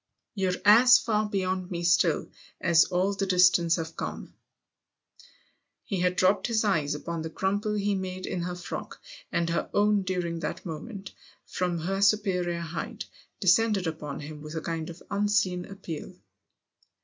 "You're as far beyond me still as all the distance I've come." THE OTHER HOUSE 43 He had dropped his eyes upon the crumple he made in her frock, and her own during that moment, from her superior height, descended upon him with a kind of unseen appeal.